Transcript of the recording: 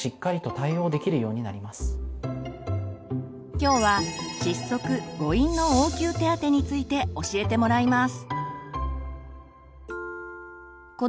きょうは窒息誤飲の応急手当について教えてもらいます。